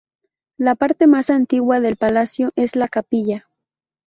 La parte más antigua del palacio es la capilla.